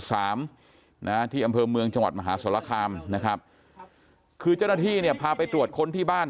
หมู่๓ที่อำเภอเมืองจังหวัดมหาสระคามคือเจ้าหน้าที่พาไปตรวจค้นที่บ้าน